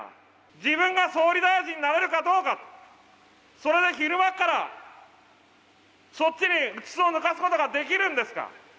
自分が総理大臣になれるかどうか、それで昼間から、そっちにうつつをぬかすことができるんですか。